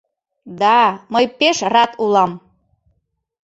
— Да, мый пеш рат улам!